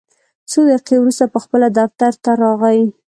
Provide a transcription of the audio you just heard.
څو دقیقې وروسته پخپله دفتر ته راغی.